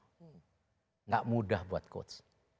tidak mudah buat coach